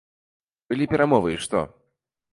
Былі перамовы і што?